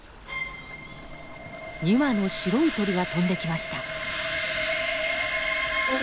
２羽の白い鳥が飛んできました。